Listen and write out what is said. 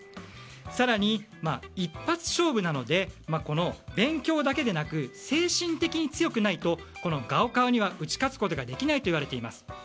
更に、一発勝負なので勉強だけでなく精神的に強くないとガオカオには打ち勝つことができないといわれています。